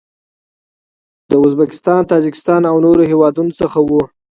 له ازبکستان، تاجکستان او نورو هیوادو څخه و.